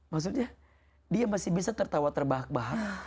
maksudnya dia masih bisa tertawa terbahak bahak